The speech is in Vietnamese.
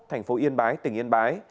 thành phố yên bái tỉnh yên bái